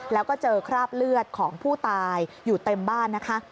แล้วก็เจอคราบเลือดของผู้ตายอยู่เต็มบ้านนะคะ